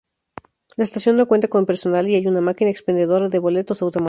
La estación no cuenta con personal y hay una máquina expendedora de boletos automática.